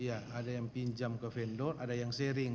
iya ada yang pinjam ke vendor ada yang sharing